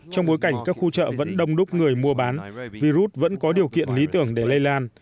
trong bối cảnh các khu chợ vẫn đông đúc người mua bán virus vẫn có điều kiện lý tưởng để lây lan